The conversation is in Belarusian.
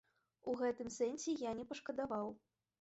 У гэтым сэнсе я не пашкадаваў.